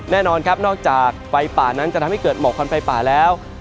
แน่นอนครับนอกจากไฟป่านั้นจะทำให้เกิดหมอกควันไฟป่าแล้ว